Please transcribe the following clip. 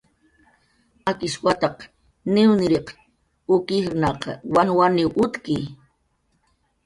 Akish wataq niwniriq uk ijrnaq wanwaniw utki